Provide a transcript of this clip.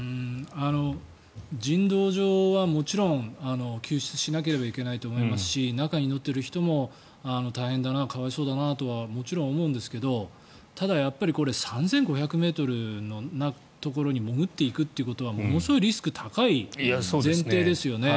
人道上はもちろん救出しなければいけないと思いますし中に乗っている人も大変だな、可哀想だなとはもちろん思うんですけどただ、これ３５００ｍのところに潜っていくということはものすごくリスクが高い前提ですよね。